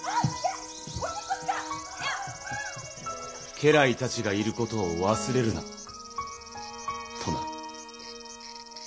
家来たちがいることを忘れるなとな。